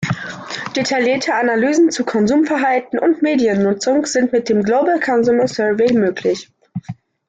Detaillierte Analysen zu Konsumverhalten und Mediennutzung sind mit dem Global Consumer Survey möglich.